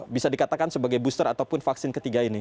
bisa dikatakan sebagai booster ataupun vaksin ketiga ini